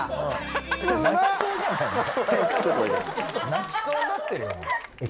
泣きそうになってるよ。